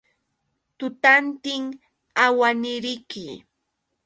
Tutantin awaniriki.